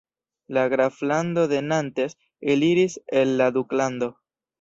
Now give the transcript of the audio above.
La graflando de Nantes eliris el la duklando.